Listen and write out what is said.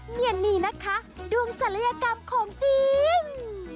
เนียนนี่นะคะดวงศัลยกรรมของจริง